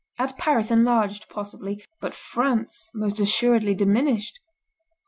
Add Paris enlarged, possibly, but France most assuredly diminished.